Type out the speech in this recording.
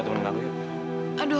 kamu nggak usah nafon ya